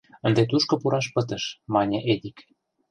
Ынде тушко пураш пытыш, — мане Эдик.